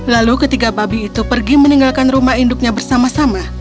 lalu ketiga babi itu pergi meninggalkan rumah induknya bersama sama